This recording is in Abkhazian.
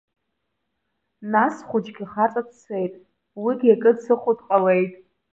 Нас схәыҷгьы хаҵа дцеит, уигьы акы дсыхәо дҟалеит.